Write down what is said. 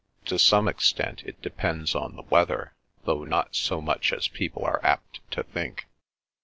"To some extent it depends on the weather, though not so much as people are apt to think."